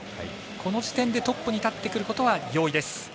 この時点でトップに立ってくることは容易です。